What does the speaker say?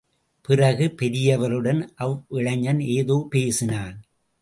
பிறகு, பெரியவருடன் அவ்விளைஞன் ஏதோ பேசினான்.